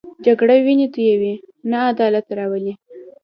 جګړه وینې تویوي، نه عدالت راولي